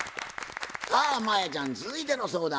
さあ真彩ちゃん続いての相談は？